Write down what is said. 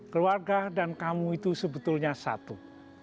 keluarga dan kamu itu sebetulnya satu